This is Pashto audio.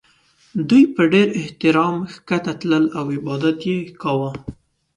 دوی په ډېر احترام ښکته تلل او عبادت یې کاوه.